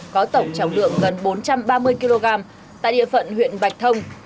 có tổng trọng lượng gần bốn trăm ba mươi kg tại địa phận huyện bạch thông